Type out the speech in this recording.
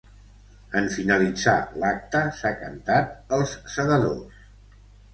En finalitzar l’acte s’ha cantat ‘Els Segadors’.